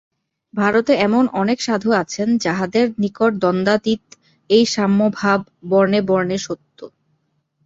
ভারতে এমন অনেক সাধু আছেন, যাঁহাদের নিকট দ্বন্দ্বাতীত এই সাম্যভাব বর্ণে বর্ণে সত্য।